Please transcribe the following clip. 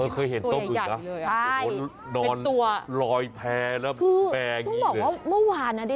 เคยเห็นต้มอึ่งเหรอตัวใหญ่เลยเป็นตัวคือต้องบอกว่าเมื่อวานนะดิ